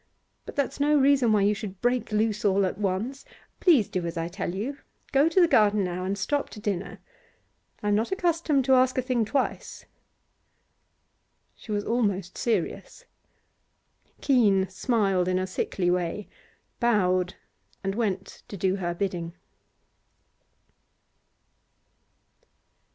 But that's no reason why you should break loose all at once. Please do as I tell you; go to the garden now and stop to dinner. I am not accustomed to ask a thing twice.' She was almost serious. Keene smiled in a sickly way, bowed, and went to do her bidding.